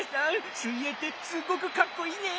水泳ってすっごくかっこいいね！